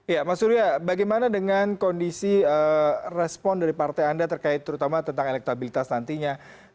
ya mas surya bagaimana dengan kondisi respon dari partai anda terkait terutama tentang elektabilitas nantinya